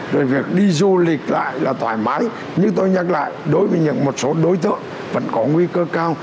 rồi việc đi du lịch lại là thoải mái như tôi nhắc lại đối với những một số đối tượng vẫn có nguy cơ cao